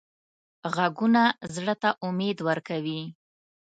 غږونه زړه ته امید ورکوي